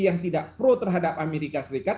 yang tidak pro terhadap amerika serikat